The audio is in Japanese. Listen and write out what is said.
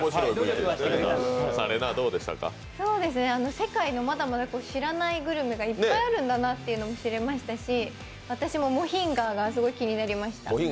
世界のまだまだ知らないグルメがいっぱいあるんだなってしれましたし私もモヒンガーがすごい気になりました。